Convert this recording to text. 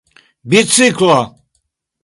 biciklo